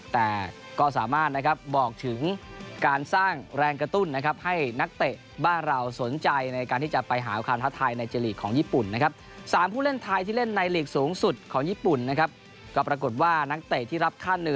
แต่ก็สามารถนะครับบอกถึงการสร้างแรงกระตุ้นนะครับให้นักเตะบ้านเราสนใจในการที่จะไปหาความทัศน์ไทยในเจนลีกของญี่ปุ่นนะครับ